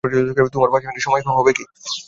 তোমার পাঁচ মিনিট সময় হবে?